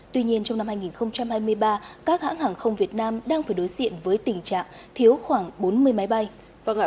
tuy nhiên trong năm hai nghìn hai mươi ba các hãng hàng không việt nam đang phải đối diện với tình trạng thiếu khoảng bốn mươi máy bay